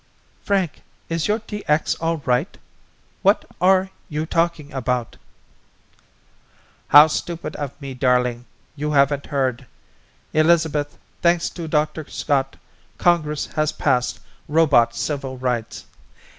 "Frank, is your DX all right? What are you talking about?" "How stupid of me, darling you haven't heard. Elizabeth, thanks to Dr. Scott, Congress has passed Robot Civil Rights!